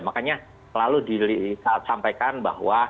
makanya selalu disampaikan bahwa